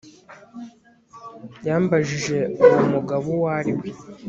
Yambajije uwo mugabo uwo ari we